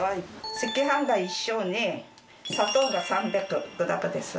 赤飯が一升に砂糖が３００グラムです。